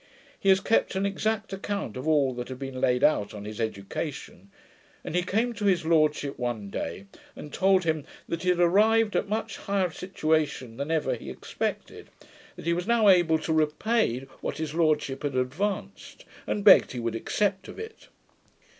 He had kept an exact account of all that had been laid out on his education, and he came to his lordship one day, and told him that he had arrived at a much higher situation than ever he expected; that he was now able to repay what his lordship had advanced, and begged he would accept of it.